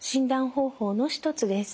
方法の一つです。